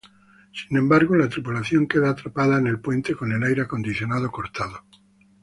Sin embargo, la tripulación queda atrapada en el puente con el aire acondicionado cortado.